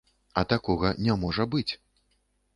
А такога не можа быць.